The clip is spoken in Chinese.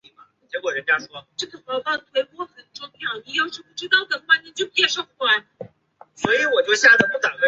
郑昭还娶了努的一个女儿为妃子。